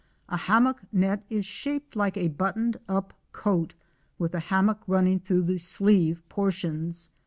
A hammock net is shaped like a buttoned up coat with the hammock running through the sleeve portions.